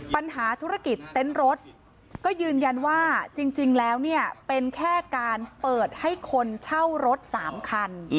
ปัญหาธุรกิจเต็นต์รถก็ยืนยันว่าจริงแล้วเนี่ยเป็นแค่การเปิดให้คนเช่ารถ๓คัน